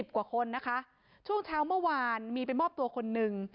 กว่าคนนะคะช่วงเช้าเมื่อวานมีไปมอบตัวคนหนึ่ง